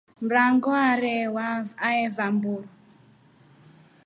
Mrango arewa aeva mburu.